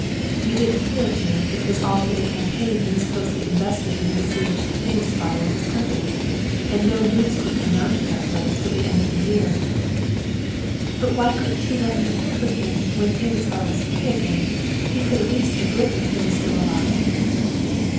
"'You didn't hear of him, because all through the campaign he was closely invested in the besieged Temesvar with his company, and no news could come out of that place till the end of the year.' "'But why couldn't he let me hear from him when Temesvar was free again? He could at least have written that he was still alive?'